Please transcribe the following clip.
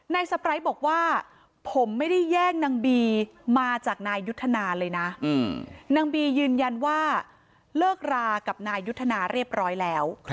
สไปร์บอกว่าผมไม่ได้แย่งนางบีมาจากนายยุทธนาเลยนะนางบียืนยันว่าเลิกรากับนายยุทธนาเรียบร้อยแล้ว